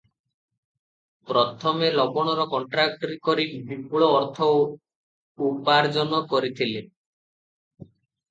ପ୍ରଥମେ ଲବଣର କଣ୍ଟ୍ରାକ୍ଟରୀ କରି ବିପୁଳ ଅର୍ଥ ଉପାର୍ଜ୍ଜନ କରିଥିଲେ ।